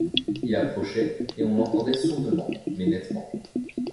Il approchait, et on l’entendait sourdement, mais nettement.